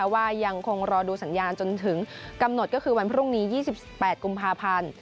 ว่ายังคงรอดูสัญญาณจนถึงกำหนดก็คือวันพรุ่งนี้๒๘กุมภาพันธ์